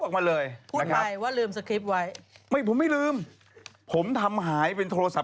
ออกมาเลยพูดไปว่าลืมสคริปต์ไว้ไม่ผมไม่ลืมผมทำหายเป็นโทรศัพ